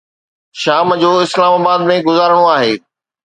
شام جو اسلام آباد ۾ گذارڻو آهي.